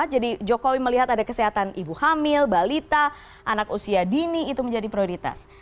jadi jokowi melihat ada kesehatan ibu hamil balita anak usia dini itu menjadi prioritas